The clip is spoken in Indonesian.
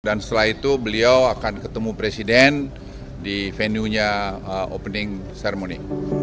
dan setelah itu beliau akan ketemu presiden di venue nya opening ceremony